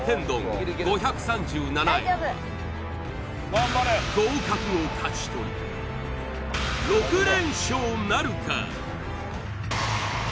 今回は合格を勝ち取り６連勝なるか？